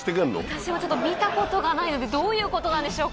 私もちょっと見たことがないのでどういうことなんでしょうか。